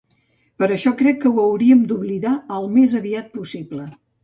Per això crec que ho hauríem d'oblidar al més aviat possible.